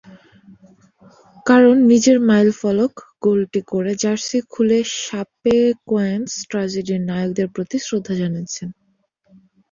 কারণ নিজের মাইলফলক গোলটি করে জার্সি খুলে শাপেকোয়েনস-ট্র্যাজেডির নায়কদের প্রতি শ্রদ্ধা জানিয়েছেন।